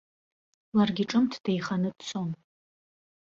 Ларгьы ҿымҭ деиханы дцон.